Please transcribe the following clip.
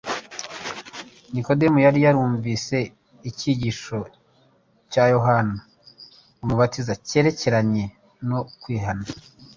Nikodemu yari yarumvise icyigisho cya Yohana Umubatiza cyerekeranye no kwihana